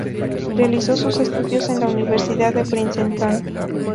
Realizó sus estudios en la Universidad de Princeton.